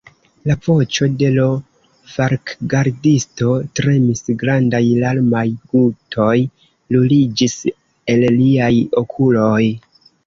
La voĉo de l' falkgardisto tremis, grandaj larmaj gutoj ruliĝis el liaj okuloj.